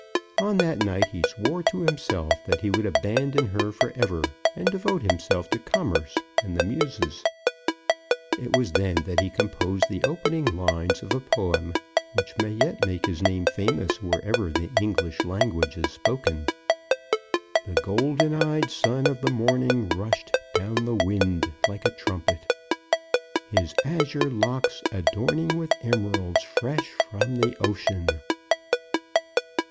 On that night he swore to himself that he would abandon her for ever, and devote himself to commerce and the Muses. It was then that he composed the opening lines of a poem which may yet make his name famous wherever the English language is spoken: The golden eyed son of the Morning rushed down the wind like a trumpet, His azure locks adorning with emeralds fresh from the ocean.